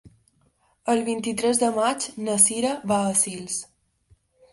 El vint-i-tres de maig na Sira va a Sils.